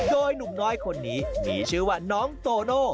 โดยหนุ่มน้อยคนนี้มีชื่อว่าน้องโตโน่